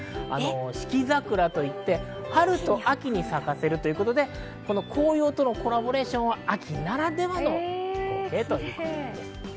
四季桜といって春と秋に咲かせるということで、紅葉とのコラボレーションは秋ならではの光景ということです。